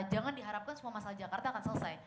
jangan diharapkan semua masalah jakarta akan selesai